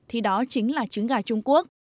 thì đó chính là trứng gà trung quốc